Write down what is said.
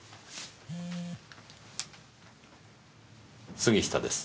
杉下です。